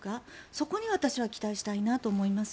そこに私は期待したいなと思います。